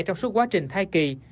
trong suốt quá trình thai kỳ